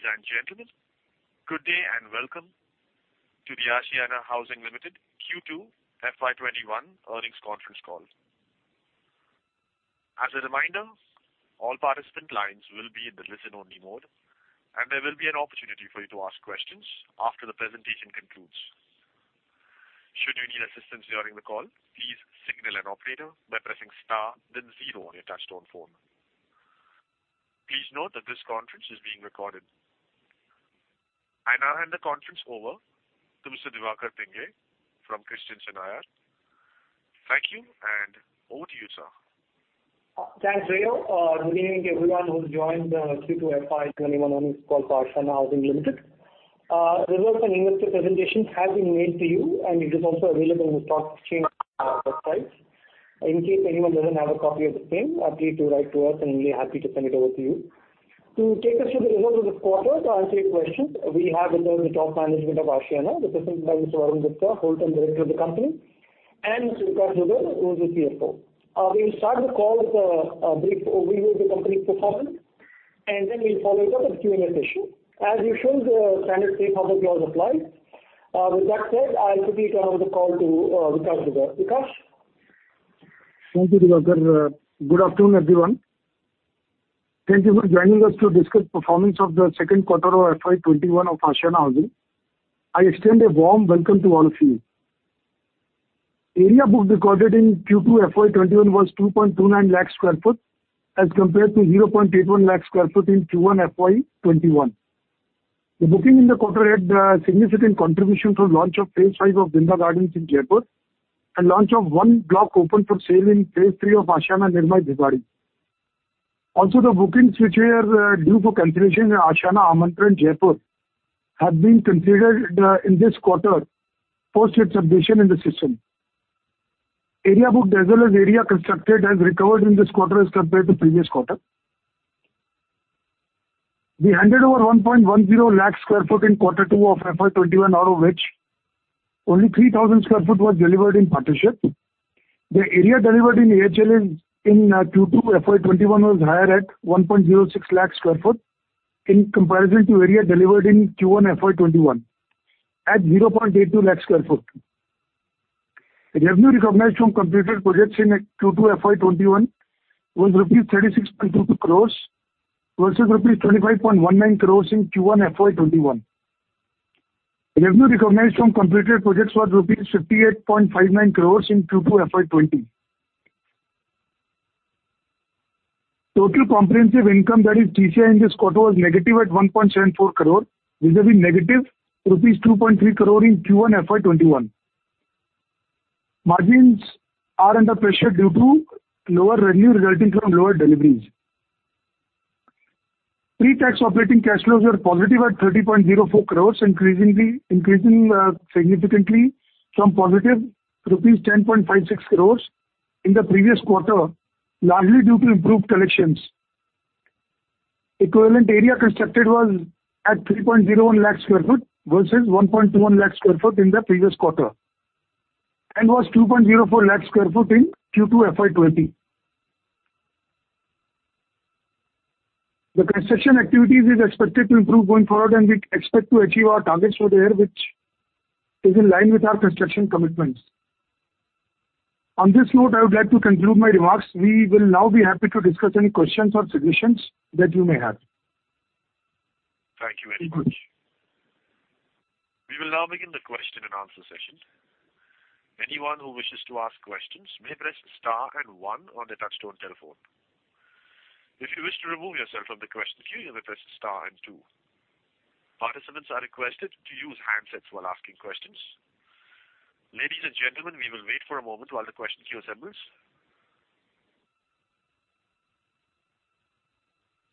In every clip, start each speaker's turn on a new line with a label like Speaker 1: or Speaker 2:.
Speaker 1: Ladies and gentlemen, good day, and welcome to the Ashiana Housing Limited Q2 FY21 earnings conference call. As a reminder, all participant lines will be in the listen-only mode, and there will be an opportunity for you to ask questions after the presentation concludes. Should you need assistance during the call, please signal an operator by pressing star then zero on your touchtone phone. Please note that this conference is being recorded. I now hand the conference over to Mr. Diwakar Pingle from Christensen IR. Thank you, and over to you, sir.
Speaker 2: Thanks, Rayo. Good evening to everyone who's joined the Q2 FY 2021 earnings call for Ashiana Housing Limited. Results and investor presentations have been made to you, and it is also available on the stock exchange website. In case anyone doesn't have a copy of the same, feel free to write to us, and we'll be happy to send it over to you. To take us through the results of the quarter and answer your questions, we have with us the top management of Ashiana, Mr. Varun Gupta, Whole Time Director of the company, and Mr. Vikash Dugar, who is the CFO. We'll start the call with a brief overview of the company's performance, and then we'll follow it up with a Q&A session. As usual, the standard safety health clause applies. With that said, I'll quickly turn over the call to, Vikash Dugar. Vikash?
Speaker 3: Thank you, Diwakar. Good afternoon, everyone. Thank you for joining us to discuss performance of the Q2 of FY 2021 of Ashiana Housing. I extend a warm welcome to all of you. Area book recorded in Q2 FY 2021 was 2.29 lakh sq ft, as compared to 0.81 lakh sq ft in Q1 FY 2021. The booking in the quarter had a significant contribution through launch of phase V of Vrinda Gardens in Jaipur and launch of 1 block open for sale in phase III of Ashiana Nirmay, Bhiwadi. Also, the bookings which were due for cancellation in Ashiana Amantran, Jaipur, have been considered in this quarter post its submission in the system. Area book as well as area constructed has recovered in this quarter as compared to previous quarter. We handed over 1.10 lakh sq ft in quarter two of FY 2021, out of which only 3,000 sq ft was delivered in partnership. The area delivered in AHL in Q2 FY 2021 was higher at 1.06 lakh sq ft, in comparison to area delivered in Q1 FY 2021 at 0.82 lakh sq ft. The revenue recognized from completed projects in Q2 FY 2021 was rupees 36.22 crore versus rupees 25.19 crore in Q1 FY 2021. Revenue recognized from completed projects was rupees 58.59 crore in Q2 FY 2020. Total comprehensive income, that is TCI, in this quarter, was negative at 1.74 crore, which have been negative rupees 2.3 crore in Q1 FY 2021. Margins are under pressure due to lower revenue resulting from lower deliveries. Pre-tax operating cash flows were positive at 30.04 crore, increasing significantly from positive rupees 10.56 crore in the previous quarter, largely due to improved collections. Equivalent area constructed was at 3.01 lakh sq ft versus 1.1 lakh sq ft in the previous quarter, and was 2.04 lakh sq ft in Q2 FY 2020. The construction activities is expected to improve going forward, and we expect to achieve our targets for the year, which is in line with our construction commitments. On this note, I would like to conclude my remarks. We will now be happy to discuss any questions or suggestions that you may have.
Speaker 1: Thank you very much. We will now begin the question and answer session. Anyone who wishes to ask questions may press star and one on the touchtone telephone. If you wish to remove yourself from the question queue, you may press star and two. Participants are requested to use handsets while asking questions. Ladies and gentlemen, we will wait for a moment while the question queue assembles.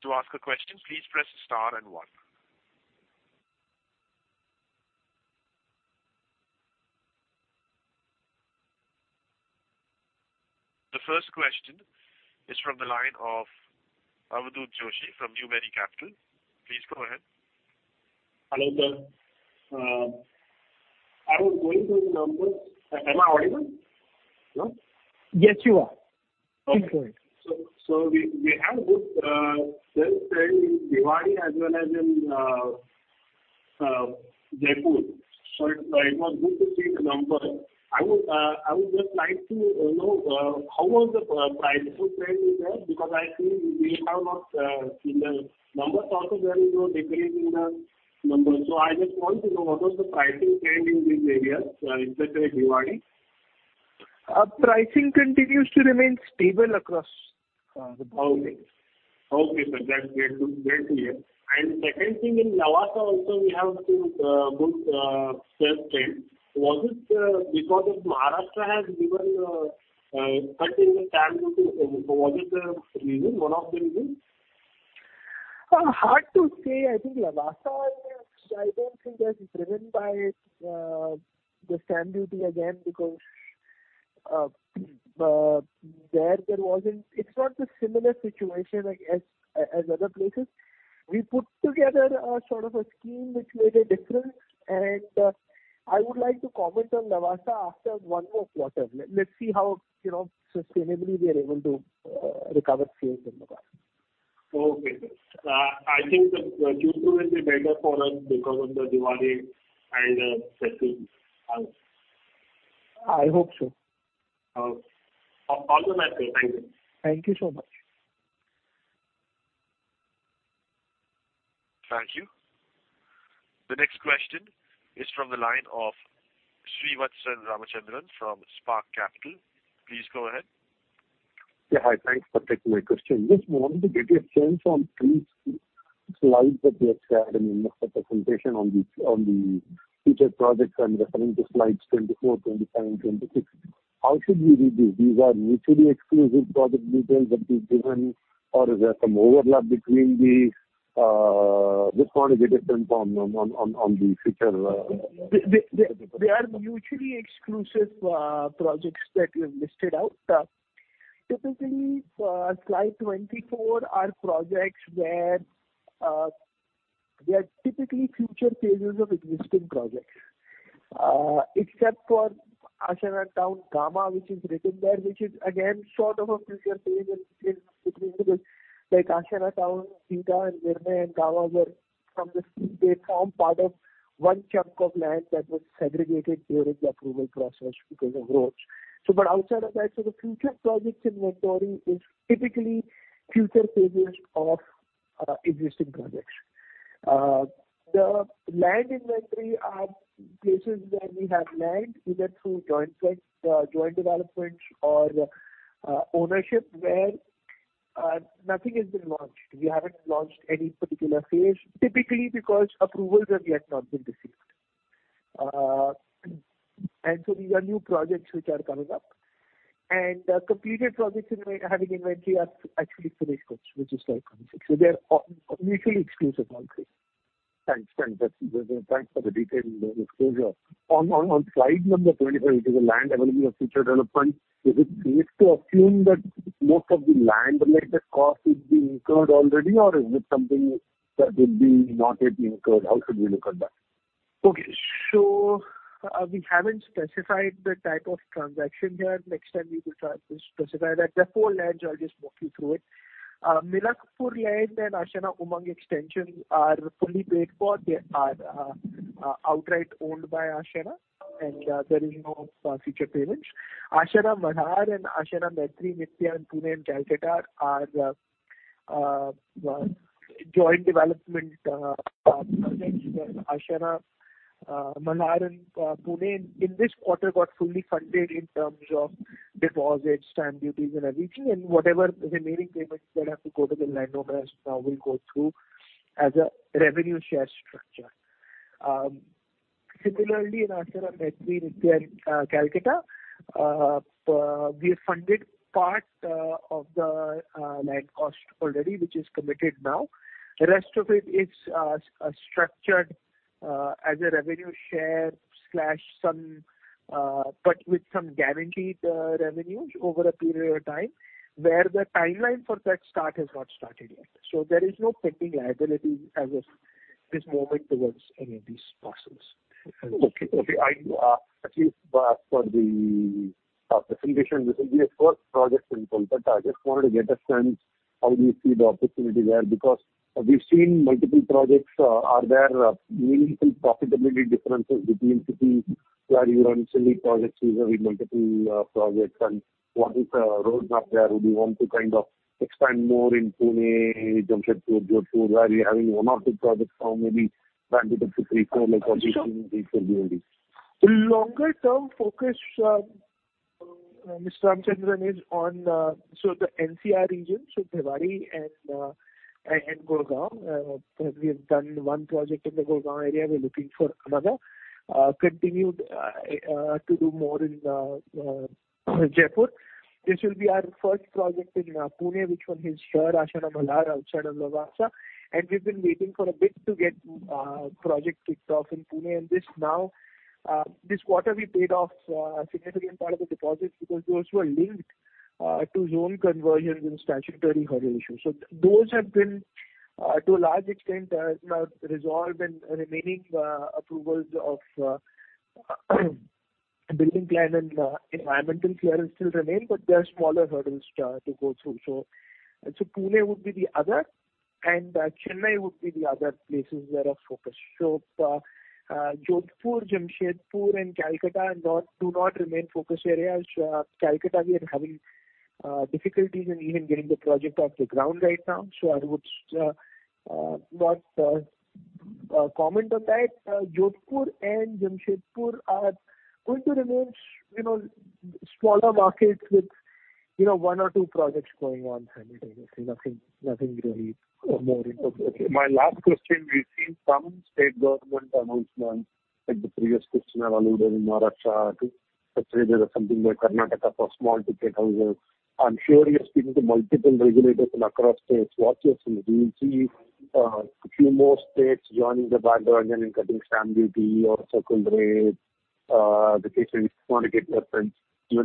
Speaker 1: To ask a question, please press star and one. The first question is from the line of Avadhoot Joshi from Newberry Capital. Please go ahead.
Speaker 4: Hello, sir. I was going through the numbers... Am I audible? No?
Speaker 3: Yes, you are. Please go ahead.
Speaker 4: So we have good sales there in Bhiwadi as well as in Jaipur. It was good to see the numbers. I would just like to know how was the price trend there? Because I see in the numbers also, there is no decrease in the numbers. I just want to know what was the pricing trend in these areas, especially Bhiwadi?
Speaker 3: Pricing continues to remain stable across the buildings.
Speaker 4: Okay, sir, that's, that's clear. And second thing, in Lavasa also we have seen good sales trend. Was it because of Maharashtra has given cutting the stamp duty, was it the reason, one of the reasons?
Speaker 3: Hard to say. I think Lavasa, I don't think that's driven by the stamp duty again because there wasn't... It's not a similar situation like as other places. We put together a sort of a scheme which made a difference, and...
Speaker 5: I would like to comment on Lavasa after one more quarter. Let's see how, you know, sustainably we are able to recover sales in Lavasa.
Speaker 4: Okay. I think that Q2 will be better for us because of the Diwali and festivals.
Speaker 5: I hope so.
Speaker 4: All the best to you. Thank you.
Speaker 5: Thank you so much.
Speaker 1: Thank you. The next question is from the line of Srivatsan Ramachandran from Spark Capital. Please go ahead.
Speaker 6: Yeah, hi. Thanks for taking my question. Just wanted to get a sense on three slides that you had in the presentation on the future projects. I'm referring to slides 24, 27, 26. How should we read these? These are mutually exclusive project details that you've given, or is there some overlap between the, what are the difference on the future-
Speaker 5: They are mutually exclusive projects that we have listed out. Typically, slide 24 are projects where they are typically future phases of existing projects. Except for Ashiana Town Gamma, which is written there, which is again, sort of a future phase and is between, like, Ashiana Town Beta and Milakpur and Gamma were from the same. They form part of one chunk of land that was segregated during the approval process because of roads. But outside of that, the future projects inventory is typically future phases of existing projects. The land inventory are places where we have land, either through joint venture, joint developments or ownership, where nothing has been launched. We haven't launched any particular phase, typically because approvals have yet not been received. And so these are new projects which are coming up. Completed projects in which we are having inventory are actually finished projects, which is slide 26. So they're mutually exclusive also.
Speaker 6: Thanks for the detailed disclosure. On slide number 25, which is the land available for future development, is it safe to assume that most of the land-related costs would be incurred already, or is it something that would be not yet incurred? How should we look at that?
Speaker 5: Okay. So, we haven't specified the type of transaction here. Next time we will try to specify that. Therefore, land, I'll just walk you through it. Milakpur Land and Ashiana Umang Extension are fully paid for. They are outright owned by Ashiana, and there is no future payments. Ashiana Malhar and Ashiana Maitri, Nitara and Pune and Kolkata are joint development projects, where Ashiana Malhar and Pune, in this quarter, got fully funded in terms of deposits, stamp duties and everything, and whatever the remaining payments that have to go to the landowners now will go through as a revenue share structure. Similarly, in Ashiana Maitri, Nitara and Kolkata, we have funded part of the land cost already, which is committed now. The rest of it is structured as a revenue share slash some, but with some guaranteed revenue over a period of time, where the timeline for that start has not started yet. So there is no pending liability as of this moment towards any of these parcels.
Speaker 6: Okay. Okay. I, at least for the, presentation, this will be a first project input, but I just wanted to get a sense how do you see the opportunity there? Because we've seen multiple projects. Are there meaningful profitability differences between cities where you run similar projects with very multiple, projects, and what is the roadmap there? Would you want to kind of expand more in Pune, Jamshedpur, Jodhpur, where you're having one or two projects now, maybe 20-24, like what you see in these communities?
Speaker 5: The longer-term focus, Mr. Ramachandran, is on, so the NCR region, so Bhiwadi and, and Gurgaon. We have done one project in the Gurgaon area. We're looking for another, continued, to do more in, Jaipur. This will be our first project in, Pune, which one is Ashiana Malhar, outside of Lavasa, and we've been waiting for a bit to get, project kicked off in Pune. And this now, this quarter, we paid off, a significant part of the deposits because those were linked, to zone conversions and statutory hurdle issues. So those have been, to a large extent, now resolved, and remaining, approvals of, building plan and, environmental clearance still remain, but they're smaller hurdles, to go through. Pune would be the other, and Chennai would be the other places that are focused. So, Jodhpur, Jamshedpur and Kolkata do not remain focus areas. Kolkata, we are having difficulties in even getting the project off the ground right now, so I would not comment on that. Jodhpur and Jamshedpur are going to remain, you know, smaller markets with, you know, one or two projects going on simultaneously. Nothing really more.
Speaker 6: Okay. Okay. My last question, we've seen some state government announcements, like the previous question I've alluded in Maharashtra to something like Karnataka for small-ticket houses. I'm sure you're speaking to multiple regulators across states. What's your sense? Do you see a few more states joining the bandwagon and cutting stamp duty or circle rate, the cases want to get different, even the operational multiples?
Speaker 5: I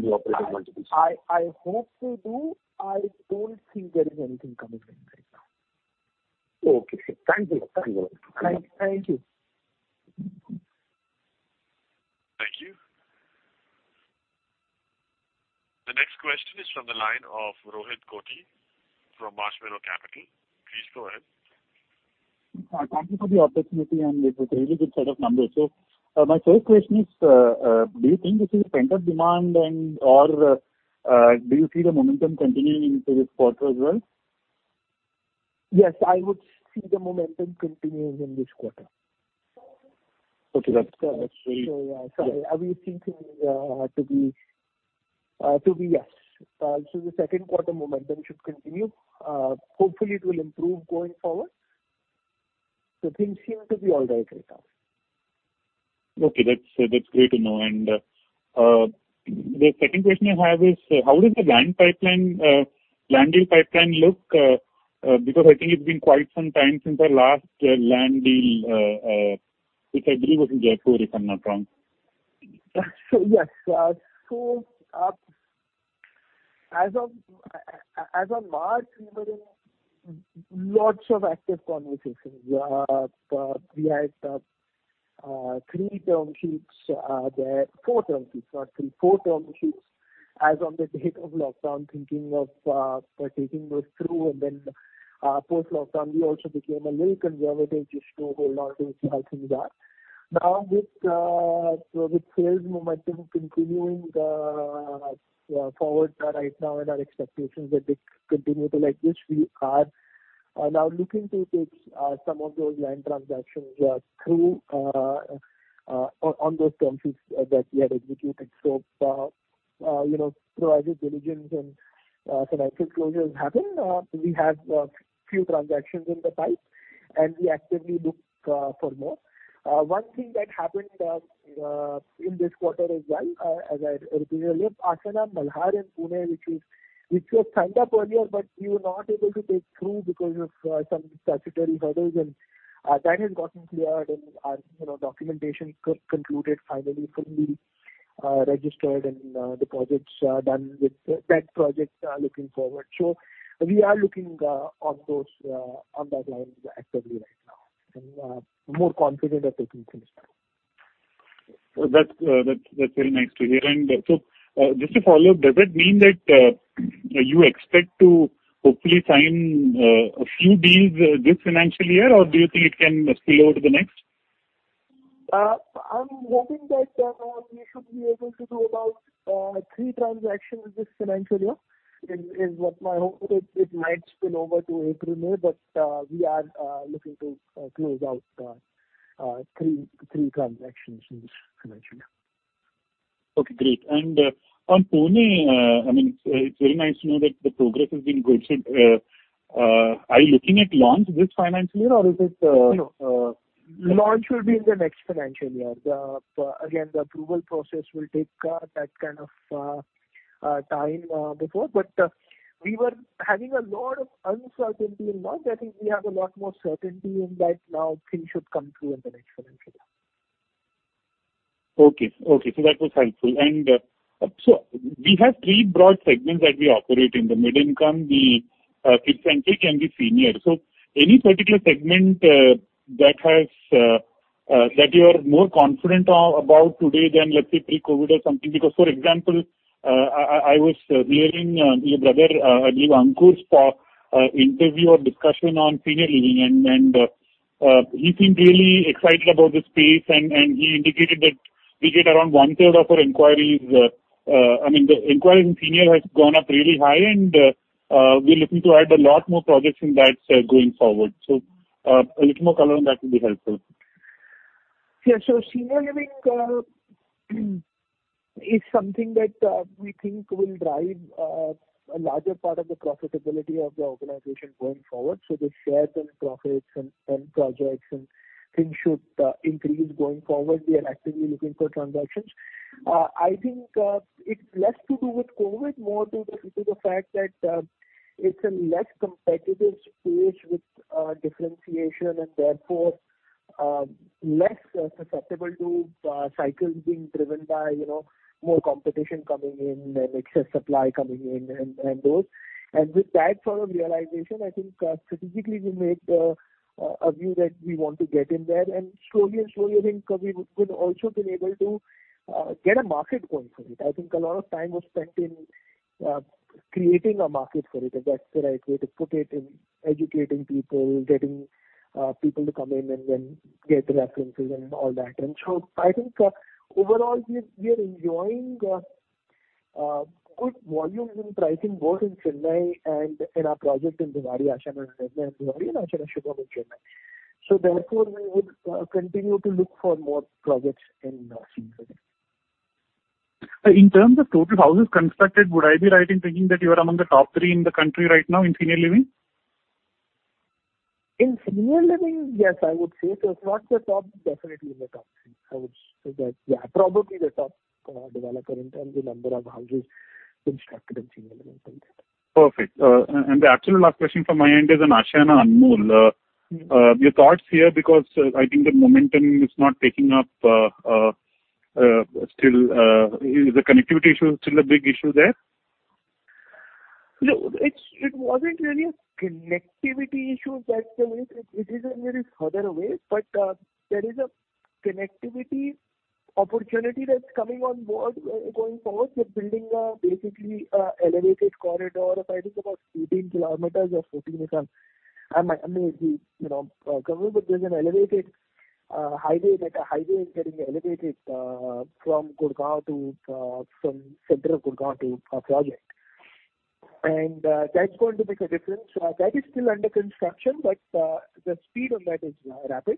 Speaker 5: hope they do. I don't think there is anything coming in right now. Okay, thank you. Thank you. Thank you!
Speaker 1: Thank you. The next question is from the line of Rohit Kothi from Marshmallow Capital. Please go ahead.
Speaker 7: Thank you for the opportunity, and it's a really good set of numbers. So, my first question is, do you think this is pent-up demand and or, do you see the momentum continuing into this quarter as well?
Speaker 5: Yes, I would see the momentum continuing in this quarter.
Speaker 7: Okay, that's actually-
Speaker 5: So everything seems to be yes. So the Q2 momentum should continue. Hopefully, it will improve going forward. So things seem to be all right right now.
Speaker 7: Okay, that's great to know. And the second question I have is: How does the land pipeline, land deal pipeline look, because I think it's been quite some time since the last land deal, which I believe was in Jaipur, if I'm not wrong.
Speaker 5: So yes. So, as of March, we were in lots of active conversations. We had three term sheets there... Four term sheets, sorry, four term sheets as on the date of lockdown, thinking of taking those through. And then, post-lockdown, we also became a little conservative just to hold on to see how things are. Now, with sales momentum continuing forward right now and our expectations that it continue to like this, we are now looking to take some of those land transactions through on those term sheets that we had executed. So, you know, as the diligence and actual closures happen, we have few transactions in the pipe, and we actively look for more. One thing that happened in this quarter as well, as I read earlier, Ashiana Malhar in Pune, which was signed up earlier, but we were not able to take through because of some statutory hurdles. And that has gotten cleared, and our, you know, documentation concluded finally, firmly, registered and deposits done with that project, looking forward. So we are looking on those, on that line actively right now, and more confident that those things.
Speaker 7: So that's very nice to hear. And so, just to follow up, does it mean that you expect to hopefully sign a few deals this financial year, or do you think it can spill over to the next?
Speaker 5: I'm hoping that we should be able to do about three transactions this financial year, is what my hope. It might spill over to April, May, but we are looking to close out three transactions in this financial year.
Speaker 7: Okay, great. And on Pune, I mean, it's very nice to know that the progress has been good. So, are you looking at launch this financial year, or is it,
Speaker 5: No.
Speaker 7: Uh-
Speaker 5: Launch will be in the next financial year. The, again, the approval process will take, that kind of, time, before. But, we were having a lot of uncertainty in mind. I think we have a lot more certainty in that now things should come through in the next financial year.
Speaker 7: Okay. Okay, so that was helpful. So we have three broad segments that we operate in, the mid-income, the kid-centric and the senior. So any particular segment that has that you are more confident about today than, let's say, pre-COVID or something? Because, for example, I was reading your brother, I believe, Ankur's interview or discussion on senior living, and he seemed really excited about the space, and he indicated that we get around one-third of our inquiries. I mean, the inquiry in senior has gone up really high, and we're looking to add a lot more projects in that going forward. So a little more color on that would be helpful.
Speaker 5: Yeah. So senior living is something that we think will drive a larger part of the profitability of the organization going forward. So the shares and profits and projects and things should increase going forward. We are actively looking for transactions. I think it's less to do with COVID, more to do with the fact that it's a less competitive space with differentiation and therefore less susceptible to cycles being driven by, you know, more competition coming in and excess supply coming in and those. And with that sort of realization, I think strategically we made a view that we want to get in there. And slowly and slowly, I think we we've also been able to get a market going for it. I think a lot of time was spent in creating a market for it, if that's the right way to put it, in educating people, getting people to come in and then get references and all that. So I think overall, we're enjoying good volumes and pricing, both in Chennai and in our project in Ashiana Shubham, Ashiana Shubham in Chennai. Therefore, we would continue to look for more projects in senior living.
Speaker 7: In terms of total houses constructed, would I be right in thinking that you are among the top three in the country right now in senior living?
Speaker 5: In senior living, yes, I would say so. It's not the top, definitely in the top three. I would say that, yeah, probably the top, developer in terms of number of houses constructed in senior living.
Speaker 7: Perfect. And the actual last question from my end is on Ashiana Anmol. Your thoughts here, because I think the momentum is not taking up still. Is the connectivity issue still a big issue there?...
Speaker 5: No, it's. It wasn't really a connectivity issue that way. It is a little further away, but there is a connectivity opportunity that's coming on board, going forward. We're building, basically, elevated corridor, if I think about 18 kilometers or 14 or some. I might, I mean, you know, government there's an elevated, highway, like a highway is getting elevated, from Gurugram to, from center of Gurugram to our project. And, that's going to make a difference. So that is still under construction, but the speed on that is rapid.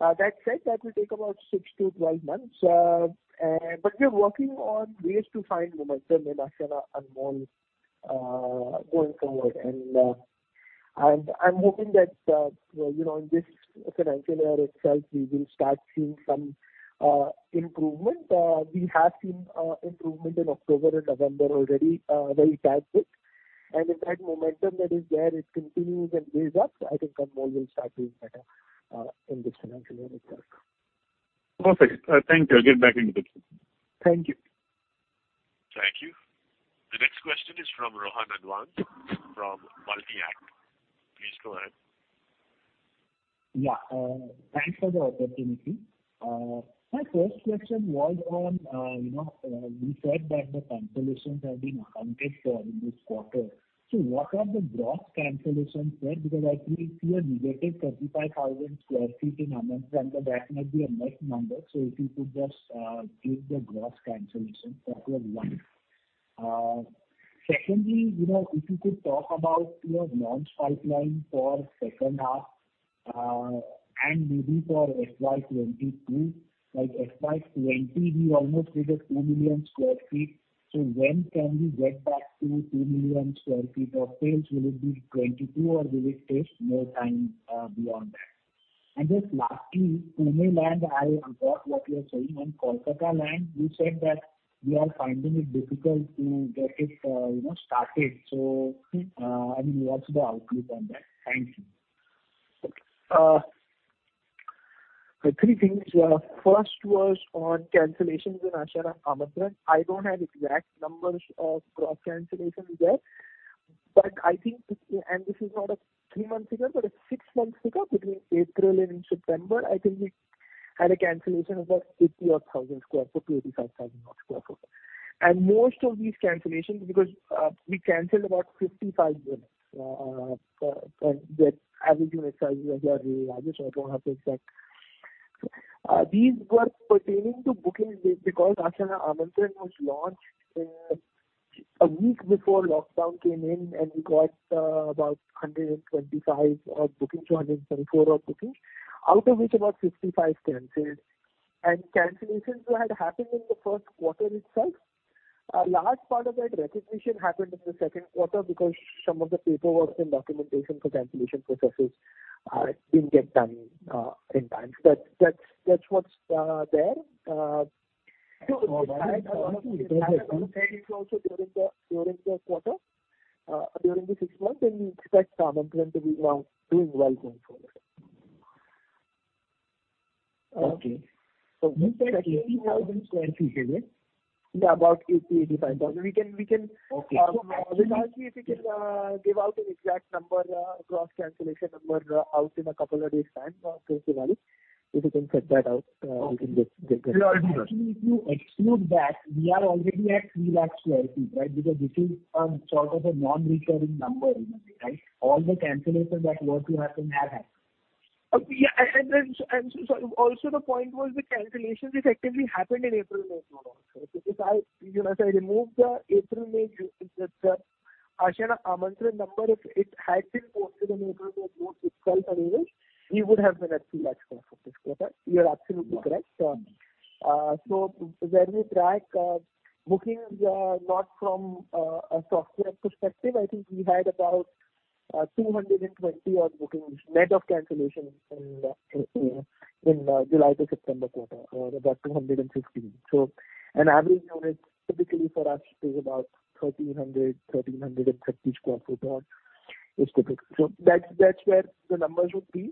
Speaker 5: That said, that will take about 6-12 months. But we're working on ways to find momentum in Ashiana Anmol, going forward. I'm, I'm hoping that, you know, in this financial year itself, we will start seeing some, improvement. We have seen, improvement in October and November already, very positive. And if that momentum that is there, it continues and builds up, I think that more will start doing better, in this financial year itself.
Speaker 7: Perfect. Thank you. I'll get back into the queue.
Speaker 5: Thank you.
Speaker 1: Thank you. The next question is from Rohan Advani, from Multi-Act. Please go ahead.
Speaker 8: Yeah, thanks for the opportunity. My first question was on, you know, you said that the cancellations have been accounted for in this quarter. So what are the gross cancellations there? Because I think we are negative 35,000 sq ft in Amantran, but that might be a net number. So if you could just give the gross cancellations, that was one. Secondly, you know, if you could talk about your launch pipeline for H2 and maybe for FY 2022. Like FY 2020, we almost did 2 million sq ft. So when can we get back to 2 million sq ft of sales? Will it be 2022 or will it take more time beyond that? And just lastly, Pune land, I got what you're saying, and Kolkata land, you said that you are finding it difficult to get it, you know, started. So, I mean, what's the outlook on that? Thank you.
Speaker 5: So three things. First was on cancellations in Ashiana Amantran. I don't have exact numbers of gross cancellations there, but I think, and this is not a three-month figure, but a six-month figure between April and September, I think we had a cancellation of about 80,000-85,000 sq ft. And most of these cancellations, because we canceled about 55 units, that average unit size are very large, so I don't have the exact. These were pertaining to bookings, because Ashiana Amantran was launched a week before lockdown came in, and we got about 124-125 bookings, out of which about 55 canceled. And cancellations which had happened in the Q1 itself, a large part of that recognition happened in the Q2, because some of the paperwork and documentation for cancellation processes didn't get done in time. But that's what's there. During the quarter, during the six months, and we expect Amantran to be doing well going forward.
Speaker 8: Okay. So you said 80,000 sq ft, right?
Speaker 5: Yeah, about 80-85 thousand. We can, we can-
Speaker 8: Okay.
Speaker 5: We'll see if we can give out an exact number, gross cancellation number, out in a couple of days' time, to see if we can get that out. We can get, get that.
Speaker 8: Yeah, it'll be done.
Speaker 5: Actually, if you exclude that, we are already at 300,000 sq ft, right? Because this is sort of a non-recurring number, right? All the cancellations that were to happen have happened. Yeah, and so also the point was the cancellations effectively happened in April-May quarter. Because I, you know, as I removed the April-May, Ashiana Amantran number, if it had been posted in April, or more itself average, we would have been at 300,000 sq ft this quarter. You're absolutely correct. So when we track bookings, not from a software perspective, I think we had about 220-odd bookings, net of cancellations in the July to September quarter, about 215. An average unit typically for us is about 1,300, 1,350 sq ft is typical. That's where the numbers would be.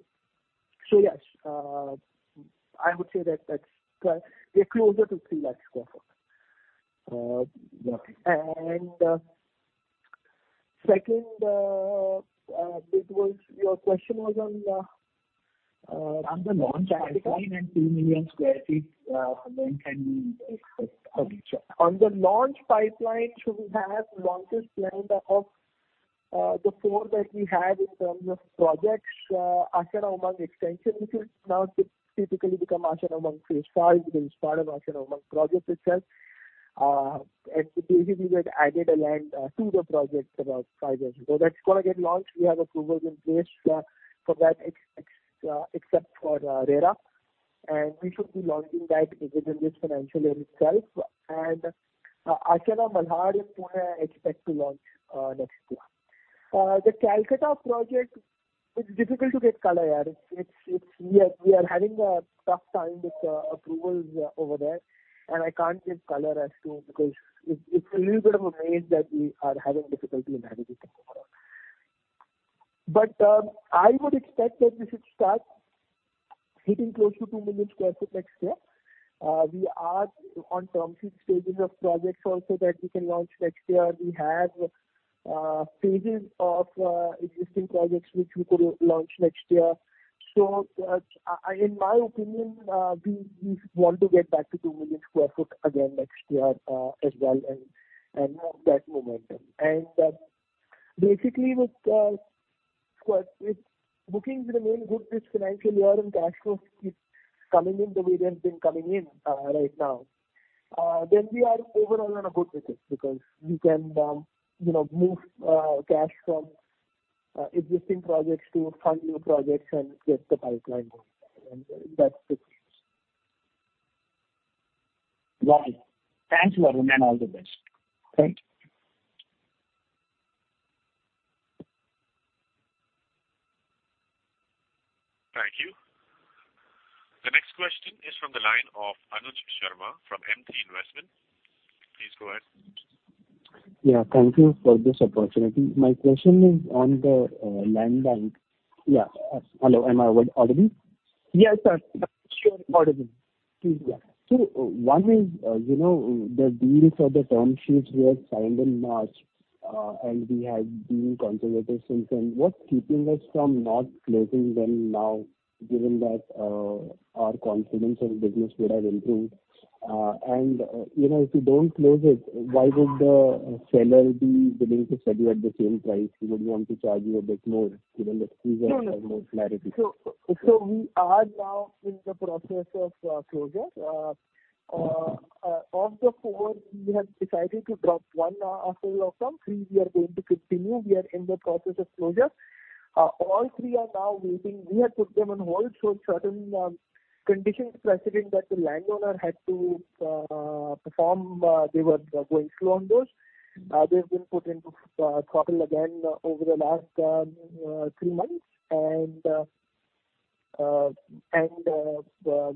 Speaker 5: So yes, I would say that we're closer to 300,000 sq ft.
Speaker 8: Uh, okay.
Speaker 5: Second, your question was on—
Speaker 8: On the launch pipeline and 2 million sq ft, when can we expect?
Speaker 5: On the launch pipeline, so we have launches planned of the four that we had in terms of projects. Ashiana Umang extension, which will now typically become Ashiana Umang phase five, because it's part of Ashiana Umang project itself. And basically, we had added a land to the project about five years ago. That's gonna get launched. We have approvals in place for that except for RERA, and we should be launching that within this financial year itself. And Ashiana Malhar in Pune, I expect to launch next year. The Kolkata project, it's difficult to get color, yeah. It's we are having a tough time with approvals over there, and I can't give color as to... Because it's a little bit of a race that we are having difficulty in managing them. But, I would expect that we should start hitting close to 2 million sq ft next year. We are on term sheet stages of projects also that we can launch next year. We have stages of existing projects which we could launch next year. So, in my opinion, we want to get back to 2 million sq ft again next year, as well, and have that momentum. And, basically, with if bookings remain good this financial year and cash flow keeps coming in the way they've been coming in, right now, then we are overall on a good wicket. Because we can, you know, move cash from existing projects to fund new projects and get the pipeline going, and that's it.
Speaker 8: Got it. Thanks, Varun, and all the best.
Speaker 5: Thank you.
Speaker 1: Thank you. The next question is from the line of Anuj Sharma from M3 Investment. Please go ahead.
Speaker 9: Yeah, thank you for this opportunity. My question is on the land bank. Yeah. Hello, am I well audible?
Speaker 5: Yes, sir, you're audible. Please go ahead.
Speaker 9: So one is, you know, the deals or the term sheets were signed in March, and we had been conservative since then. What's keeping us from not closing them now, given that, our confidence and business would have improved? And, you know, if you don't close it, why would the seller be willing to sell you at the same price? He would want to charge you a bit more, given the reason for more clarity.
Speaker 5: No, no. So, so we are now in the process of closure. Of the four, we have decided to drop one sale of them. Three, we are going to continue. We are in the process of closure. All three are now waiting. We had put them on hold, so certain conditions precedent that the landowner had to perform, they were going slow on those. They've been put into throttle again over the last three months, and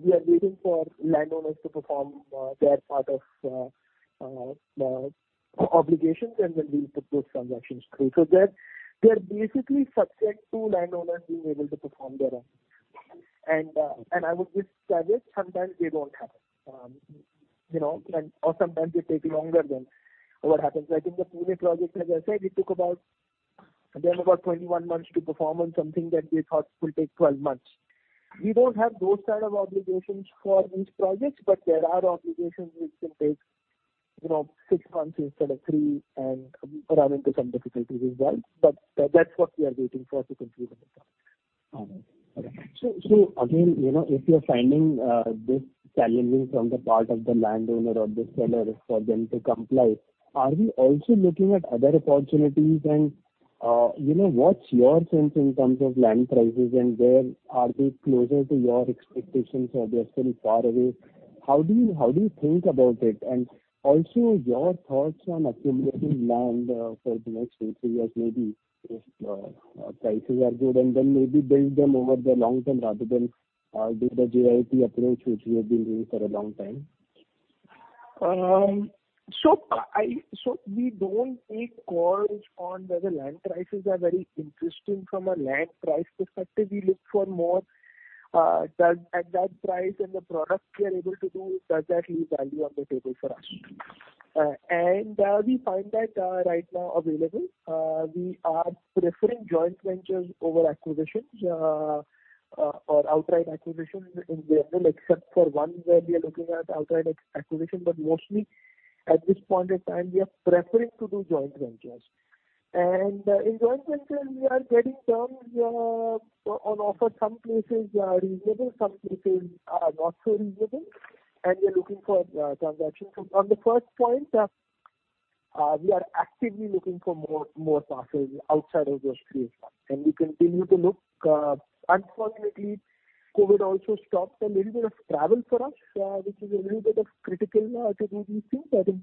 Speaker 5: we are waiting for landowners to perform their part of obligations, and then we'll put those transactions through. So they're, they're basically subject to landowners being able to perform their own. And, and I would discover sometimes they don't happen, you know, and or sometimes they take longer than what happens. I think the Pune project, as I said, it took about, them about 21 months to perform on something that we thought would take 12 months. We don't have those kind of obligations for these projects, but there are obligations which can take, you know, six months instead of three and run into some difficulties as well. But, that's what we are waiting for to conclude on the call.
Speaker 9: All right. Okay. So, so again, you know, if you're finding this challenging from the part of the landowner or the seller for them to comply, are you also looking at other opportunities? And, you know, what's your sense in terms of land prices and where are they closer to your expectations or they're still far away? How do you, how do you think about it? And also, your thoughts on accumulating land for the next 2-3 years, maybe if prices are good, and then maybe build them over the long term rather than do the JIT approach, which we have been doing for a long time.
Speaker 5: So we don't take calls on whether land prices are very interesting from a land price perspective. We look for more: does at that price and the product we are able to do, does that leave value on the table for us? And we find that right now available. We are preferring joint ventures over acquisitions or outright acquisitions in general, except for one, where we are looking at outright acquisition. But mostly, at this point in time, we are preferring to do joint ventures. And in joint ventures, we are getting terms on offer. Some places are reasonable, some places are not so reasonable, and we are looking for transaction. So on the first point, we are actively looking for more, more parcels outside of those three, and we continue to look. Unfortunately, COVID also stopped a little bit of travel for us, which is a little bit critical to do these things. I think,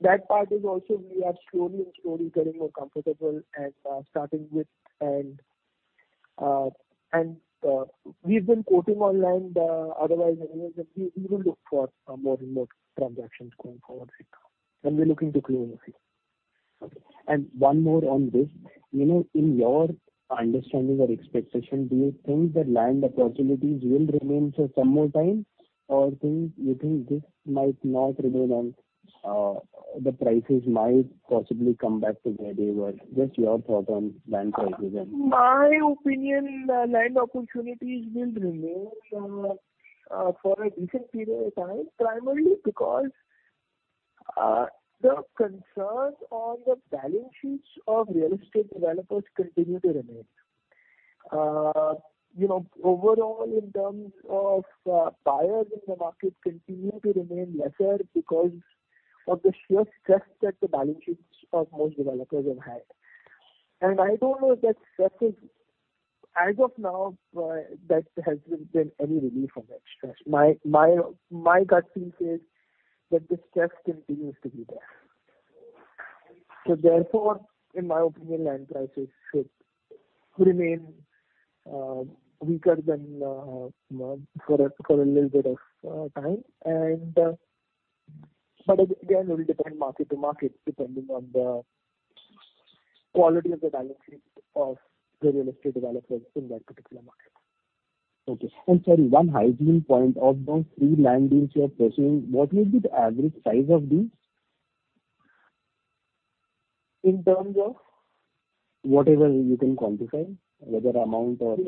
Speaker 5: that part is also we are slowly and slowly getting more comfortable and starting with... And we've been quoting our land; otherwise, we will look for more and more transactions going forward right now, and we're looking to close a few.
Speaker 9: Okay. And one more on this. You know, in your understanding or expectation, do you think that land opportunities will remain for some more time, or think, you think this might not remain and, the prices might possibly come back to where they were? Just your thought on land prices and-
Speaker 5: My opinion, land opportunities will remain for a decent period of time, primarily because the concerns on the balance sheets of real estate developers continue to remain. You know, overall, in terms of buyers in the market continue to remain lesser because of the sheer stress that the balance sheets of most developers have had. And I don't know if that stress is... As of now, that there hasn't been any relief from that stress. My gut feel says that the stress continues to be there. So therefore, in my opinion, land prices should remain weaker than for a little bit of time. But again, it will depend market to market, depending on the quality of the balance sheet of the real estate developers in that particular market.
Speaker 9: Okay. And sorry, one hygiene point. Of those three land deals you are pursuing, what will be the average size of these?
Speaker 5: In terms of?
Speaker 6: Whatever you can quantify, whether amount or the-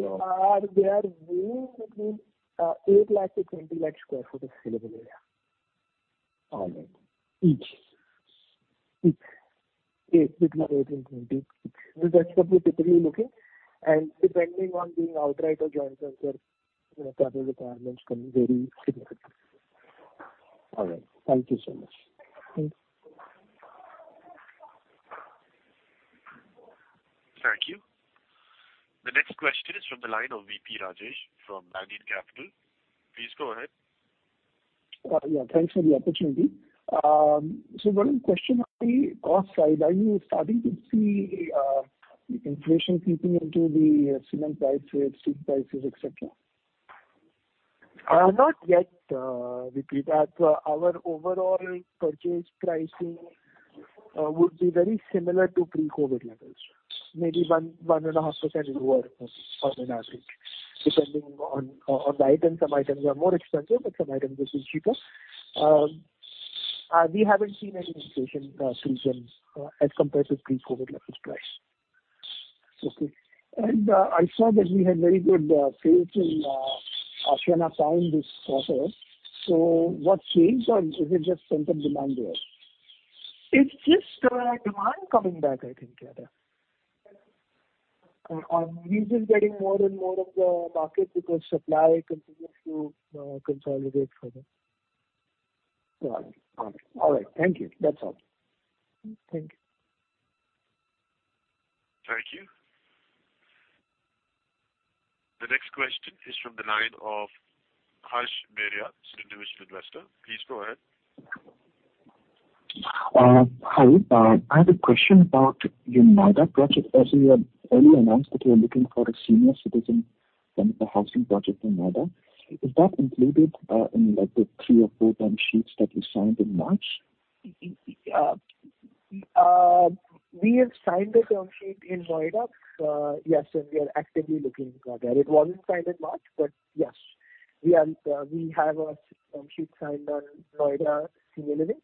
Speaker 5: They are ranging between 8 lakh-20 lakh sq ft of salable area.
Speaker 6: All right. Each?
Speaker 5: Each 8-20. That's what we're particularly looking. And depending on being outright or joint venture, you know, capital requirements can vary significantly.
Speaker 6: All right. Thank you so much.
Speaker 5: Thank you.
Speaker 1: Thank you. The next question is from the line of V.P. Rajesh from Banyan Capital. Please go ahead.
Speaker 10: Yeah, thanks for the opportunity. So one question on the cost side, are you starting to see inflation creeping into the cement price, steel prices, et cetera?
Speaker 5: Not yet, V.P. Our overall purchase pricing would be very similar to pre-COVID levels. Maybe 1.5% lower on average, depending on the item. Some items are more expensive, but some items are still cheaper. We haven't seen any inflation creep in, as compared to pre-COVID levels of price.
Speaker 10: Okay. And, I saw that we had very good sales in Ashiana Prime this quarter. So what changed, or is it just pent-up demand there?
Speaker 5: It's just, demand coming back, I think, rather. Or we're just getting more and more of the market because supply continues to, consolidate further.
Speaker 10: All right. All right. Thank you. That's all.
Speaker 5: Thank you.
Speaker 1: Thank you. The next question is from the line of Harsh Beria, Individual Investor. Please go ahead.
Speaker 11: Hi. I have a question about your Noida project. As you had earlier announced that you are looking for a senior citizen and a housing project in Noida. Is that included, in, like, the three or four term sheets that you signed in March?
Speaker 5: We have signed the term sheet in Noida. Yes, and we are actively looking for that. It wasn't signed in March, but yes, we are. We have a term sheet signed on Noida Senior Living.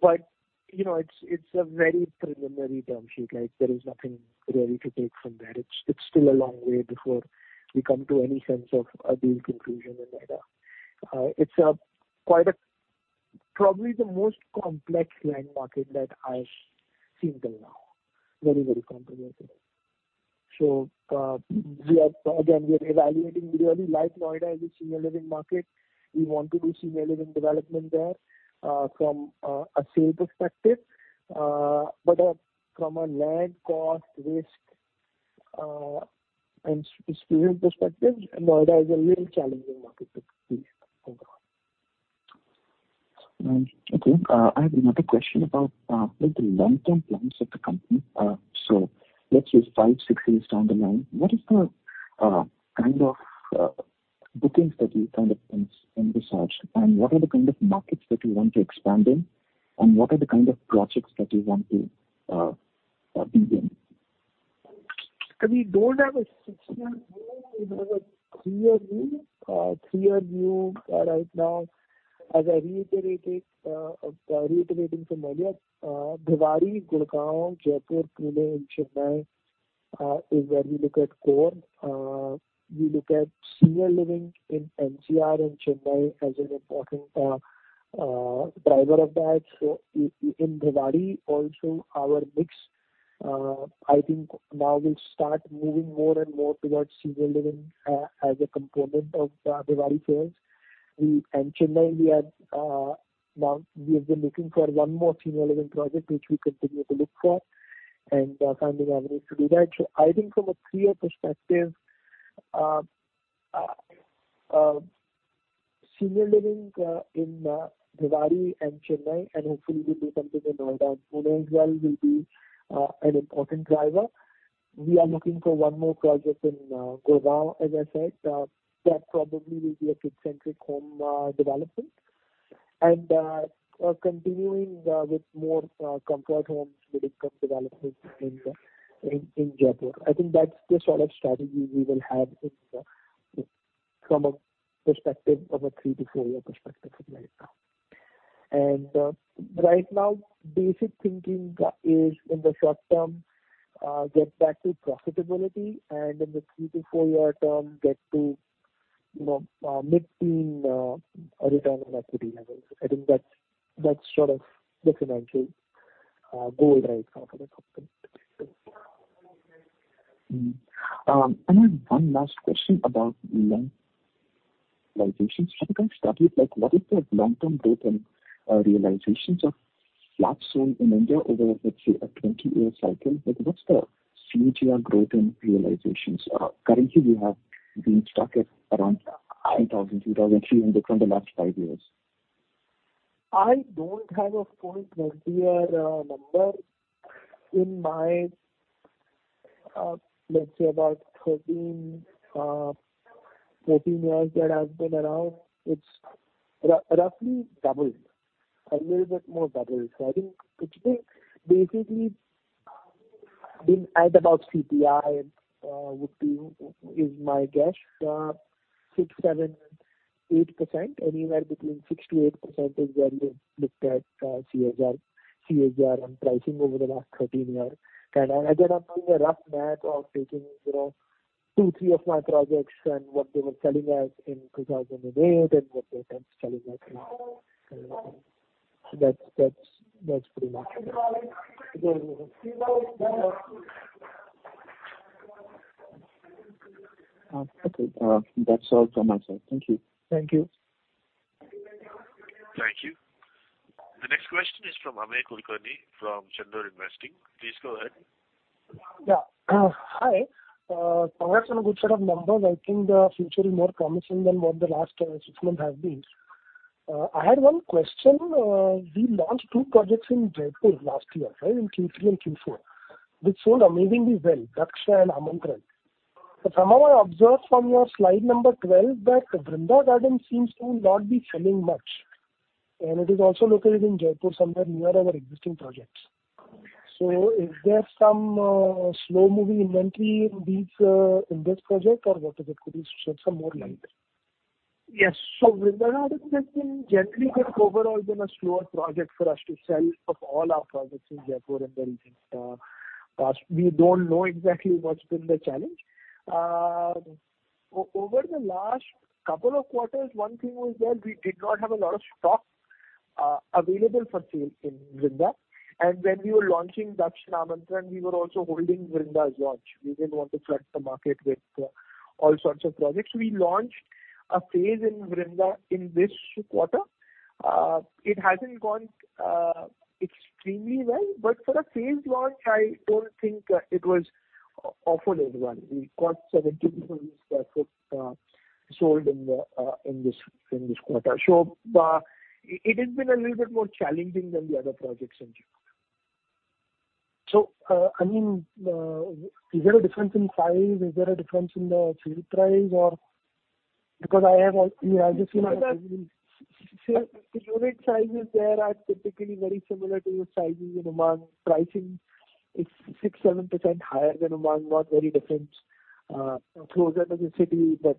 Speaker 5: But, you know, it's, it's a very preliminary term sheet, like, there is nothing really to take from that. It's, it's still a long way before we come to any sense of a deal conclusion in Noida. It's a quite a. Probably the most complex land market that I've seen till now. Very, very complicated. So, we are, again, we are evaluating very early. Like Noida is a senior living market, we want to do senior living development there, from, a sale perspective, but, from a land cost, risk, and perspective, Noida is a real challenging market to create overall.
Speaker 11: Okay. I have another question about, like, the long-term plans of the company. So let's say five, six years down the line, what is the kind of bookings that you kind of envisage? And what are the kind of markets that you want to expand in, and what are the kind of projects that you want to be in?
Speaker 5: We don't have a six-year view. We have a three-year view. Three-year view, right now, as I reiterated, reiterating from earlier, Bhiwadi, Gurugram, Jaipur, Pune, and Chennai is where we look at core. We look at senior living in NCR and Chennai as an important driver of that. So in Bhiwadi, also, our mix, I think now will start moving more and more towards senior living as a component of Bhiwadi sales. And Chennai, we are now we have been looking for one more senior living project, which we continue to look for, and finding avenues to do that. So I think from a three-year perspective, senior living in Bhiwadi and Chennai, and hopefully we do something in Noida and Pune as well, will be an important driver. We are looking for one more project in, Gurgaon, as I said. That probably will be a kid-centric home, development. And continuing with more, comfort homes, mid-income developments in, in Jaipur. I think that's the sort of strategy we will have in, from a perspective of a 3-4-year perspective right now. And right now, basic thinking is in the short term, get back to profitability, and in the 3-4-year term, get to, you know, mid-teen return on equity levels. I think that's, that's sort of the financial goal right now for the company.
Speaker 11: I have one last question about land realizations. Have you guys studied, like, what is the long-term growth and realizations of flats sold in India over, let's say, a 20-year cycle? Like, what's the CAGR growth in realizations? Currently we have been stuck at around 9,000, 2,300 from the last five years.
Speaker 5: I don't have a full CAGR number. Let's say about 13, 14 years that I've been around, it's roughly doubled, a little bit more doubled. So I think, basically, been at about CPI, would be, is my guess, 6, 7, 8%. Anywhere between 6%-8% is where we've looked at, CAGR, CAGR on pricing over the last 13 years. And I did roughly a rough math of taking, you know, 2, 3 of my projects and what they were selling at in 2008, and what they are selling at now. So that's, that's, that's pretty much it.
Speaker 11: Okay, that's all from my side. Thank you.
Speaker 5: Thank you.
Speaker 1: Thank you. The next question is from Amey Kulkarni from Candor Investing. Please go ahead.
Speaker 12: Yeah. Hi, congrats on a good set of numbers. I think the future is more promising than what the last six months have been. I had one question. We launched two projects in Jaipur last year, right? In Q3 and Q4, which sold amazingly well, Daksh and Amantran. But somehow I observed from your slide number 12 that Vrinda Gardens seems to not be selling much, and it is also located in Jaipur, somewhere near our existing projects. So is there some slow-moving inventory in these, in this project, or what is it? Could you shed some more light?
Speaker 5: Yes. So Vrinda Gardens has been generally, but overall, been a slower project for us to sell of all our projects in Jaipur and the region. But we don't know exactly what's been the challenge. Over the last couple of quarters, one thing was that we did not have a lot of stock available for sale in Vrinda, and when we were launching Daksh and Amantran, we were also holding Vrinda's launch. We didn't want to flood the market with all sorts of projects. We launched a phase in Vrinda in this quarter. It hasn't gone extremely well, but for a phased launch, I don't think it was awfully well. We got 72 books sold in this quarter. So, it has been a little bit more challenging than the other projects in Jaipur.
Speaker 12: So, I mean, is there a difference in price? Is there a difference in the sale price or... Because I have, you know, I've just seen-
Speaker 5: The unit sizes there are typically very similar to the sizes in Aman. Pricing is 6%-7% higher than Aman, not very different, closer to the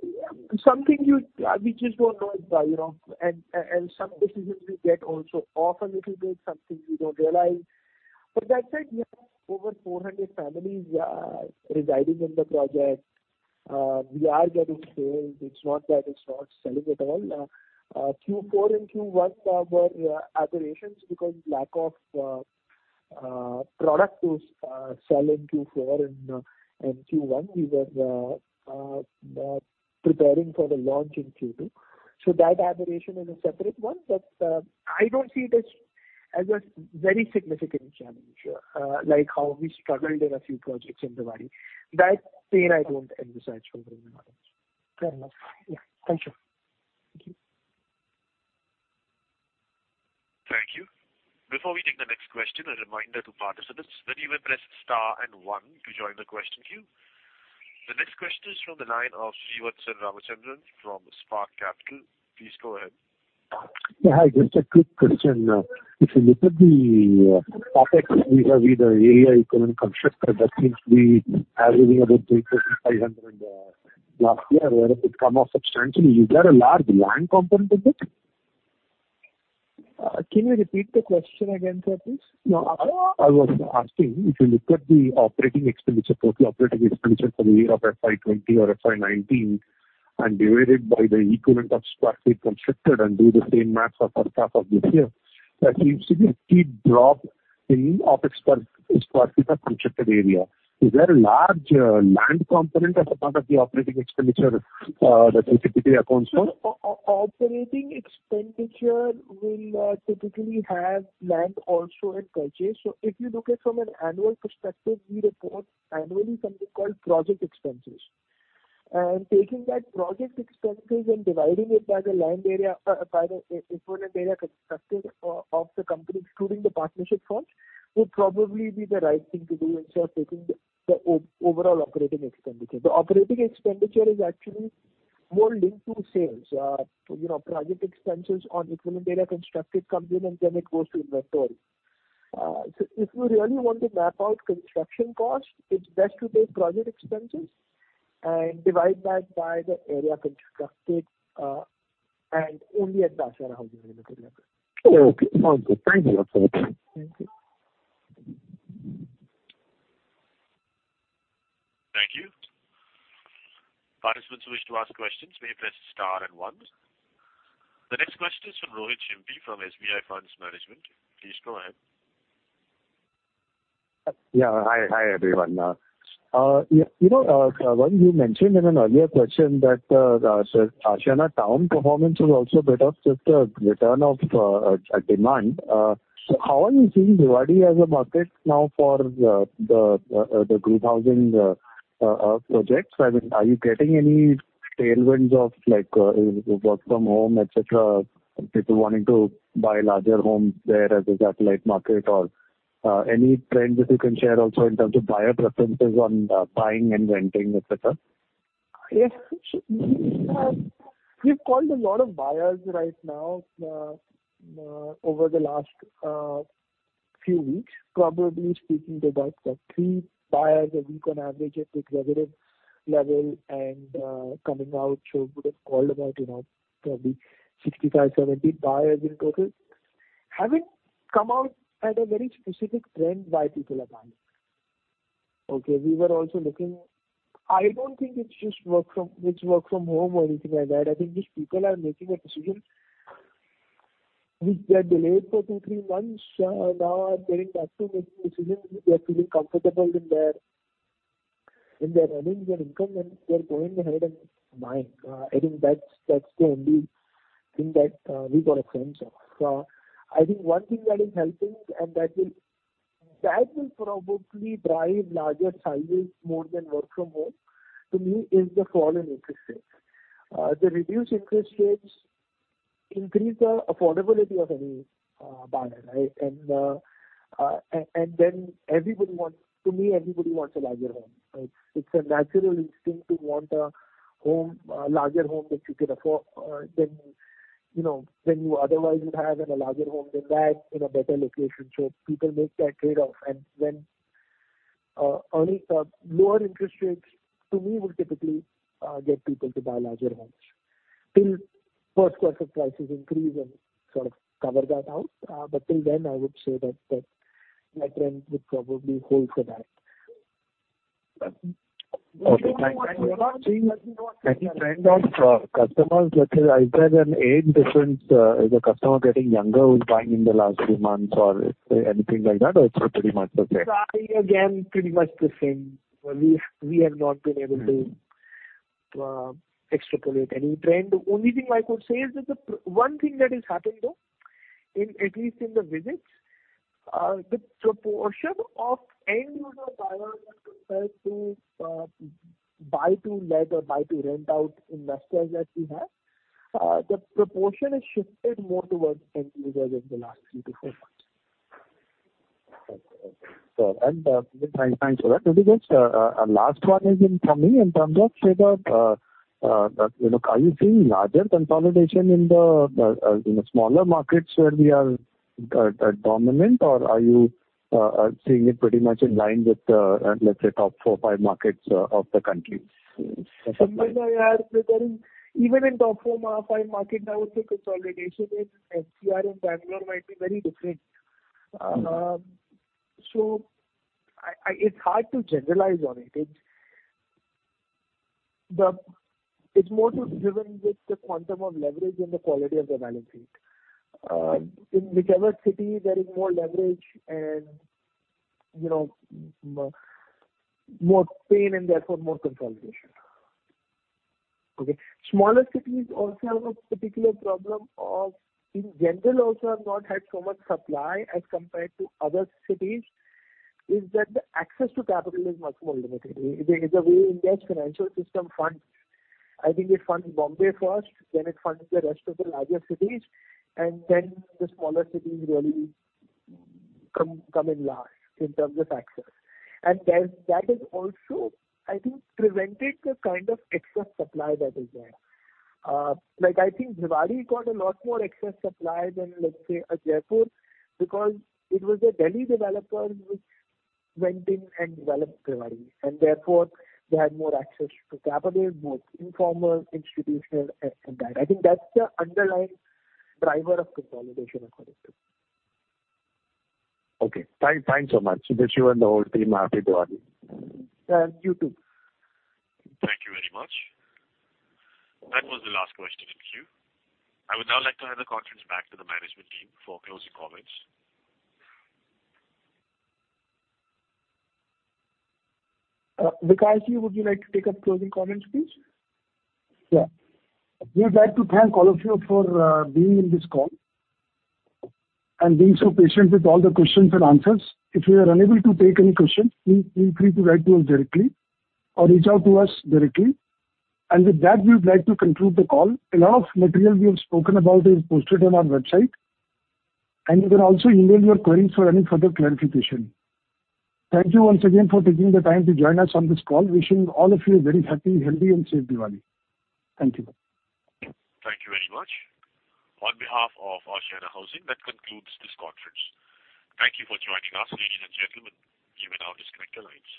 Speaker 5: city. But something you-- we just don't know about, you know, and, and some decisions we get also off a little bit, something we don't realize. But that said, we have over 400 families residing in the project. We are getting sales. It's not that it's not selling at all. Q4 and Q1 were aberrations because lack of product to sell in Q4 and, in Q1, we were preparing for the launch in Q2. So that aberration is a separate one, but I don't see this as a very significant challenge, like how we struggled in a few projects in Bhiwadi.That pain I don't emphasize for Vrinda Gardens.
Speaker 12: Fair enough. Yeah. Thank you.
Speaker 5: Thank you.
Speaker 1: Thank you. Before we take the next question, a reminder to participants that you may press star and 1 to join the question queue. The next question is from the line of Srivatsan Ramachandran from Spark Capital. Please go ahead.
Speaker 6: Yeah, hi, just a quick question. If you look at the CapEx vis-à-vis the area equivalent constructed, that seems to be averaging about 3,500 last year, where it would come up substantially. Is there a large land component of it?
Speaker 5: Can you repeat the question again, sir, please?
Speaker 6: No, I was asking, if you look at the operating expenditure, total operating expenditure for the year of FY 2020 or FY 2019, and divide it by the equivalent sq ft constructed, and do the same math for H1 of this year, that you see a steep drop in OpEx per sq ft of constructed area. Is there a large land component as a part of the operating expenditure that typically accounts for?
Speaker 5: Operating expenditure will typically have land also in purchase. So if you look at from an annual perspective, we report annually something called project expenses. And taking that project expenses and dividing it by the land area, by the equivalent area constructed, of the company, including the partnership firm, would probably be the right thing to do instead of taking the overall operating expenditure. The operating expenditure is actually more linked to sales. You know, project expenses on equivalent area constructed comes in, and then it goes to inventory. So if you really want to map out construction costs, it's best to take project expenses and divide that by the area constructed, and only Ashiana Housing Limited.
Speaker 6: Okay, all good. Thank you.
Speaker 5: Thank you.
Speaker 1: Thank you. Participants who wish to ask questions, may press Star and One. The next question is from Rohit Shimpi, from SBI Funds Management. Please go ahead.
Speaker 13: Yeah. Hi, hi, everyone. You know, Varun, you mentioned in an earlier question that Ashiana Town performance is also better, just a return of demand. So how are you seeing Bhiwadi as a market now for the 2,000 projects? I mean, are you getting any tailwinds of, like, work from home, et cetera, people wanting to buy larger homes there as a satellite market? Or any trends that you can share also in terms of buyer preferences on buying and renting, et cetera?
Speaker 5: Yes. So we have, we've called a lot of buyers right now, over the last few weeks, probably speaking to about 3 buyers a week on average at the executive level, and coming out, so would've called about, you know, probably 65, 70 buyers in total. Haven't come out at a very specific trend why people are buying. Okay, we were also looking. I don't think it's just work from, it's work from home or anything like that. I think just people are making a decision which they had delayed for 2, 3 months, now are getting back to making decisions. They're feeling comfortable in their earnings and income, and they're going ahead and buying. I think that's, that's the only thing that we've got a sense of. I think one thing that is helping, and that will probably drive larger sizes more than work from home, to me, is the fall in interest rates. The reduced interest rates increase the affordability of any buyer, right? And then everybody wants... To me, everybody wants a larger home, right? It's a natural instinct to want a home, a larger home that you can afford, than, you know, than you otherwise would have, and a larger home than that in a better location. So people make that trade-off, and when earning lower interest rates, to me, would typically get people to buy larger homes. Till Q1 prices increase and sort of cover that out, but till then, I would say that trend would probably hold for that.
Speaker 13: Okay, thank you. Any trend of customers, like, is there an age difference? Is the customer getting younger who's buying in the last three months or anything like that, or it's pretty much the same?
Speaker 5: Again, pretty much the same. We have not been able to extrapolate any trend. The only thing I could say is that one thing that has happened, though, at least in the visits, the proportion of end-user buyers as compared to buy-to-let or buy-to-rent-out investors that we have, the proportion has shifted more towards end users in the last few to four months.
Speaker 13: Okay. Thanks for that. Maybe just a last one again from me, in terms of, say, are you seeing larger consolidation in the smaller markets where we are dominant? Or are you seeing it pretty much in line with the, let's say, top four or five markets of the country?
Speaker 5: Well, we are seeing, even in top four, five markets, I would say consolidation in NCR and Bangalore might be very different. It's hard to generalize on it. It's more driven with the quantum of leverage and the quality of the balance sheet. In whichever city there is more leverage and, you know, more pain, and therefore more consolidation. Okay. Smaller cities also have a particular problem of, in general, also have not had so much supply as compared to other cities, is that the access to capital is much more limited. The way India's financial system funds, I think it funds Bombay first, then it funds the rest of the larger cities, and then the smaller cities really come in last in terms of access. And then that has also, I think, prevented the kind of excess supply that is there. Like, I think Rewari got a lot more excess supply than, let's say, a Jaipur, because it was a Delhi developer which went in and developed Rewari, and therefore they had more access to capital, both informal, institutional, and that. I think that's the underlying driver of consolidation, of course.
Speaker 13: Okay. Thanks so much, Vikash-ji and the whole team. Happy Diwali!
Speaker 5: You, too.
Speaker 1: Thank you very much. That was the last question in queue. I would now like to hand the conference back to the management team for closing comments.
Speaker 5: Vikash, would you like to take up closing comments, please?
Speaker 3: Yeah. We'd like to thank all of you for being in this call and being so patient with all the questions and answers. If you are unable to take any questions, feel free to write to us directly or reach out to us directly. And with that, we would like to conclude the call. A lot of material we have spoken about is posted on our website, and you can also email your queries for any further clarification. Thank you once again for taking the time to join us on this call. Wishing all of you a very happy, healthy, and safe Diwali. Thank you.
Speaker 1: Thank you very much. On behalf of Ashiana Housing, that concludes this conference. Thank you for joining us, ladies and gentlemen. You may now disconnect your lines.